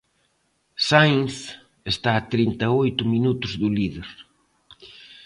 Sainz está a trinta e oito minutos do líder.